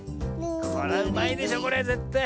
これはうまいでしょこれぜったい。